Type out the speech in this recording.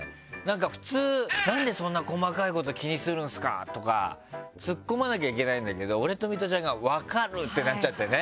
普通、何でそんな細かいこと気にするんすか！とかツッコまなきゃいけないんだけど俺とミトちゃんが分かる！ってなっちゃってね。